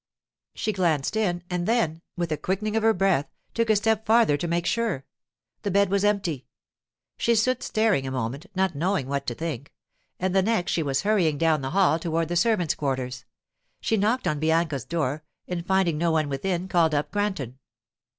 She glanced in, and then, with a quickening of her breath, took a step farther to make sure. The bed was empty. She stood staring a moment, not knowing what to think, and the next she was hurrying down the hall toward the servants' quarters. She knocked on Bianca's door, and finding no one within, called up Granton.